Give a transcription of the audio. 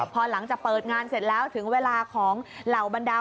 พอหลังจากเปิดงานเสร็จแล้วถึงเวลาของเหล่าบรรดา